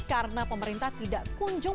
karena pemerintah tidak kunjung